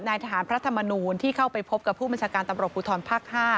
นายทหารพระธรรมนูลที่เข้าไปพบกับผู้บัญชาการตำรวจภูทรภาค๕